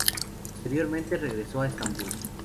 Posteriormente regresó a Estambul.